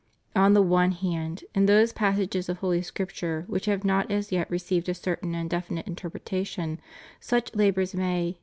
On the one hand, in those passages of Holy Scripture which have not as yet received a certain and definite interpretation, such labors may, in.